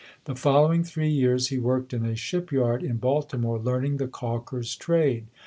The following three years he worked in a shipyard in Baltimore learning the ealker's trade.